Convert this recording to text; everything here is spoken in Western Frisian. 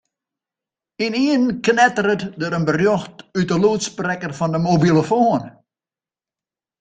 Ynienen knetteret der in berjocht út de lûdsprekker fan de mobilofoan.